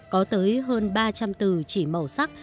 có tới hơn ba trăm linh từ chỉ màu sắc